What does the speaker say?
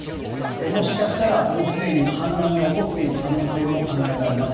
もしかしたらもうすでに氾濫が起こっている可能性も考えられます。